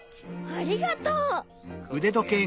ありがとう！